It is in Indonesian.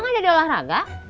akang ada di olahraga